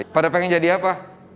pada pengen jadi apa